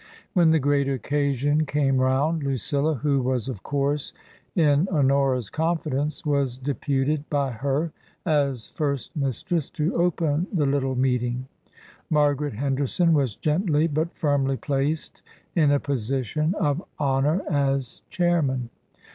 When the great occasion came round, Lucilla, who was, of course, in Honora's confidence, was deputed by her, as first mistress, to open the little meeting ; Margaret Henderson was gently but firmly placed in a position of honour as chairman.